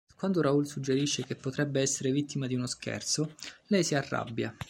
Quando Raoul suggerisce che potrebbe essere vittima di uno scherzo, lei si arrabbia.